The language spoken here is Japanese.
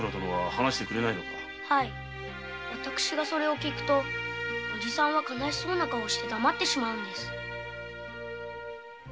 私がそれを訊くと悲しそうな顔をして黙ってしまうんです。